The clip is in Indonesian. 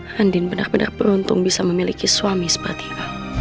handin benar benar beruntung bisa memiliki suami seperti al